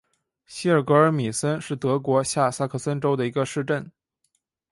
希尔格尔米森是德国下萨克森州的一个市镇。